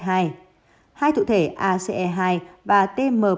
hai thụ thể ace hai và tmprss hai